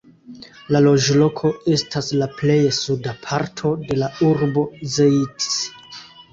La loĝloko estas la plej suda parto de la urbo Zeitz.